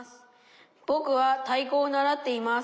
「ぼくは太鼓を習っています。